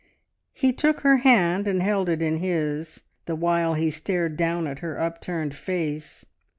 He took her hand and held it in his, the while he stared down at her upturned face.